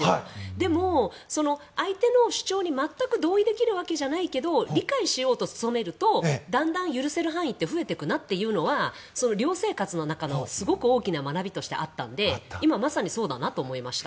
でも、相手の主張に全く同意できるわけじゃないけど理解しようと努めるとだんだん許せる範囲が増えていくなというのは寮生活の中のすごく大きな学びとしてあったんで今、まさにそうだなと思いました。